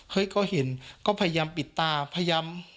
ก็เห็นก็พยายามปิดตาพยายาม